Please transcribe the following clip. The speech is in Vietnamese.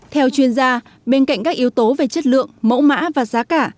theo chuyên gia bên cạnh các yếu tố về chất lượng mẫu mã và giá cả